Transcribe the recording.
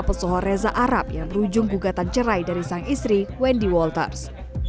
pesohor reza arab yang berujung gugatan cerai dari sang istri wendy walters